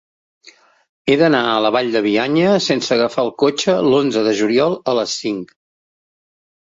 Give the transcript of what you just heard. He d'anar a la Vall de Bianya sense agafar el cotxe l'onze de juliol a les cinc.